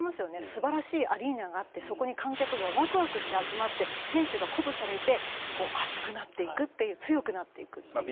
素晴らしいアリーナがあって観客がワクワクして集まって選手が鼓舞されて熱くなって強くなっていくという。